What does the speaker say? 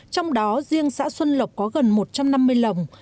trong đó riêng xã xuân lộc có gần một trăm năm mươi lồng